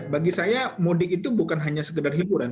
bagi saya mudik itu bukan hanya sekedar hiburan